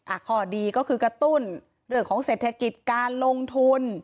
ข้อดีก็คือกระตุ้นเรื่องของเศรษฐกิจการลงทุน